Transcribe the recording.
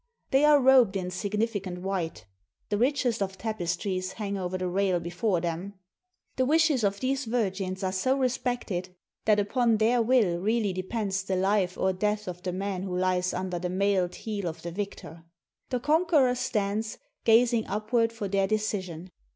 They are robed in significant white. The richest of tapestries hang over the rail before them. The wishes of these virgins are so respected, that upon their will really depends the hfe or death of the man who lies under the mailed heel of the victor. The conqueror stands, gazing upward for their decision.